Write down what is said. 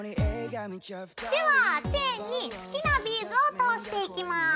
ではチェーンに好きなビーズを通していきます。